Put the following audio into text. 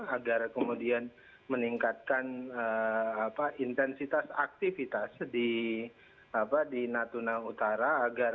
agar kemudian meningkatkan intensitas aktivitas di natuna utara